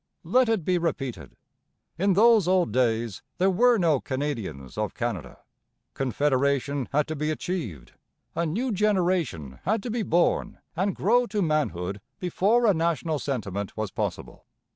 Let it be repeated. In those old days there were no Canadians of Canada. Confederation had to be achieved, a new generation had to be born and grow to manhood, before a national sentiment was possible.